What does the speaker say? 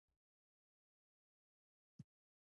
ستوني غرونه د افغانستان د طبیعي زیرمو برخه ده.